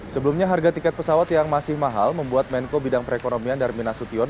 sebelumnya harga tiket pesawat yang masih mahal membuat menko bidang perekonomian darmin nasution